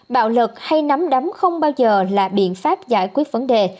bạo lực hay nắm đắm không bao giờ là biện pháp giải quyết vấn đề